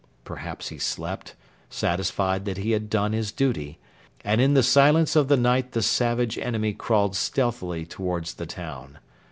Perhaps he slept, satisfied that he had done his duty; and in the silence of the night the savage enemy crawled stealthily towards the town.